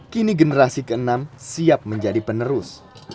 kini generasi ke enam siap menjadi penerus